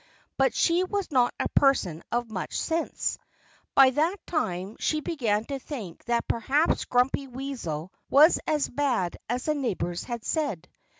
But she was not a person of much sense. By that time she began to think that perhaps Grumpy Weasel was as bad as the neighbors had said.